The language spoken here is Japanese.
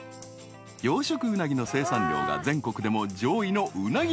［養殖ウナギの生産量が全国でも上位のうなぎ王国